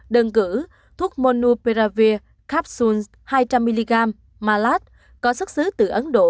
đơn cử thuốc monopiravir capsule hai trăm linh mg malad có xuất xứ từ ấn độ